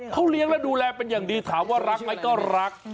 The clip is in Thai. เขาเลี้ยงและดูแลเป็นอย่างดีถามว่ารักไหมก็รัก